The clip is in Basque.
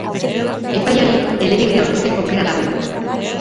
Epaiari helegitea aurkezteko aukera dago.